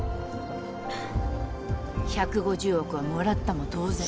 １５０億はもらったも同然。